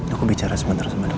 aku bicara sebentar sebentar